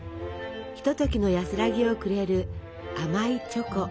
ひとときの安らぎをくれる甘いチョコ。